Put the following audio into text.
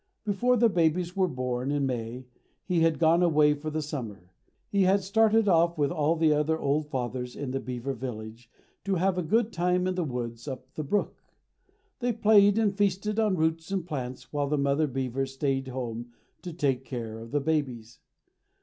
Before the babies were born in May he had gone away for the summer. He had started off with all the other old fathers in the beaver village to have a good time in the woods up the brook. They played and feasted on roots and plants, while the mother beavers stayed home to take care of the babies.